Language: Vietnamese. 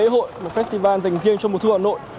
đây là một lễ hội một festival dành riêng cho mùa thu hà nội